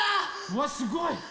わっすごい。